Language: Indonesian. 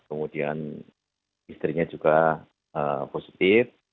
kemudian istrinya juga positif